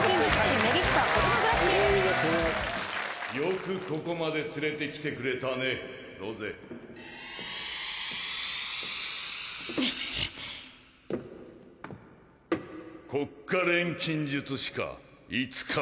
「よくここまで連れてきてくれたねロゼ」「国家錬金術師か。